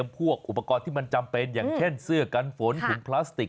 พวกอุปกรณ์ที่มันจำเป็นอย่างเช่นเสื้อกันฝนถุงพลาสติก